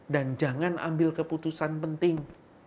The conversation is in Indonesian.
dan jangan ambil keputusan penting